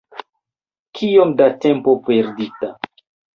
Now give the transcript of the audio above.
Kiom da tempo perdita!